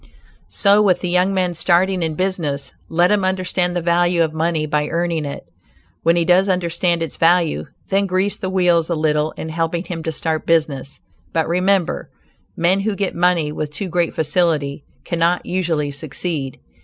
So with the young man starting in business; let him understand the value of money by earning it. When he does understand its value, then grease the wheels a little in helping him to start business, but remember, men who get money with too great facility cannot usually succeed.